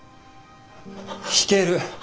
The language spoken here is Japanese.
弾ける！